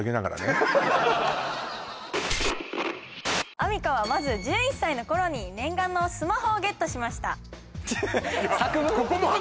あみかはまず１１歳の頃に念願のスマホをゲットしました作文？